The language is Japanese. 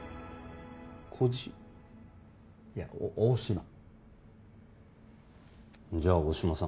こじいや大島じゃ大島さん